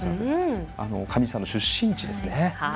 上地さんの出身地ですね。